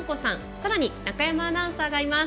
さらに中山アナウンサーがいます。